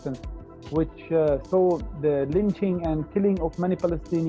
yang melihat penyerangan dan bunuh banyak palestina